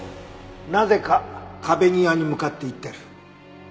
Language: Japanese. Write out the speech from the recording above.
なぜか壁際に向かっていってる。